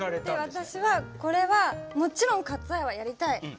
で私はこれはもちろん「カッツ・アイ」はやりたい。